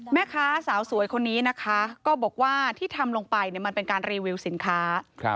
แม่ค้าสาวสวยคนนี้นะคะก็บอกว่าที่ทำลงไปมันเป็นการรีวิวสินค้า